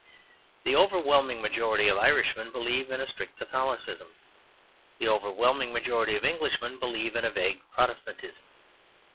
The overwhelming majority of Irishmen believe in a strict Catholicism; the overwhelming majority of Englishmen believe in a vague Protestantism.